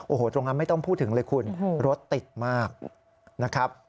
โอ้โหตรงนั้นไม่ต้องพูดถึงเลยคุณรถติดมากนะครับ